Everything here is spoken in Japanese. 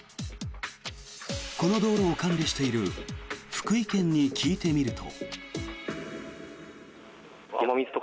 この道路を管理している福井県に聞いてみると。